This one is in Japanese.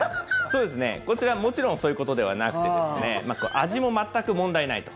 こちら、もちろんそういうことではなくて味も全く問題ないと。